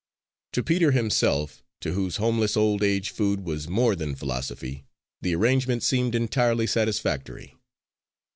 To Peter himself, to whose homeless old age food was more than philosophy, the arrangement seemed entirely satisfactory.